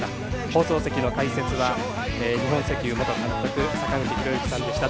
放送席の解説は日本石油元監督坂口裕之さんでした。